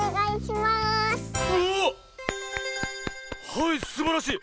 はいすばらしい！